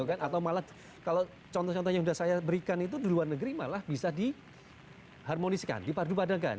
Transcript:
atau malah kalau contoh contoh yang sudah saya berikan itu di luar negeri malah bisa diharmonisikan dipadu padangkan